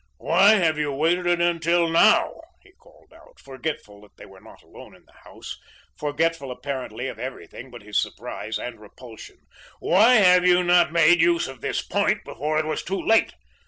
"Why have you waited till NOW?" he called out, forgetful that they were not alone in the house, forgetful apparently of everything but his surprise and repulsion. "Why not have made use of this point before it was too late?